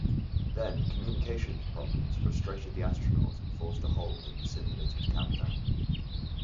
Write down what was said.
Then, communications problems frustrated the astronauts and forced a hold in the simulated countdown.